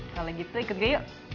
kalau gitu ikut gue yuk